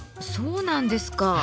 そうなんですか。